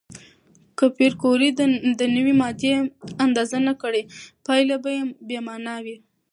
که پېیر کوري د نوې ماده اندازه نه کړي، پایله به بې معنا وي.